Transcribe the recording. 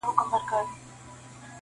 پر یوه بیرغ به ټول سي اولسونه-